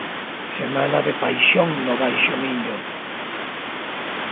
Semana de paixón no Baixo Miño.